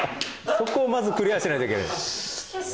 そこをまずクリアしないといけない。